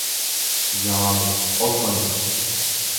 Działamy od końca